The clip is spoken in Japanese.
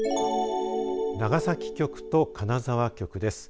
長崎局と金沢局です。